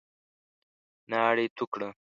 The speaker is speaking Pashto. ناړي تو کړه !